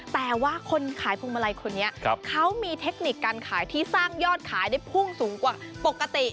แต่ว่าคนขายพวงมาลัยคนนี้เขามีเทคนิคการขายที่สร้างยอดขายได้พุ่งสูงกว่าปกติ